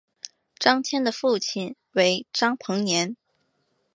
张謇的父亲为张彭年。